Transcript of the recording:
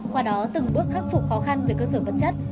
qua đó từng bước khắc phục khó khăn về cơ sở vật chất